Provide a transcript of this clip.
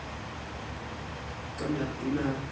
今日點呀？